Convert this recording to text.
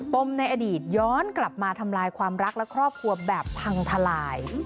มในอดีตย้อนกลับมาทำลายความรักและครอบครัวแบบพังทลาย